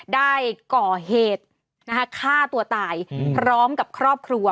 ได้ก่อเหตุฆ่าตัวตายพร้อมกับครอบครัว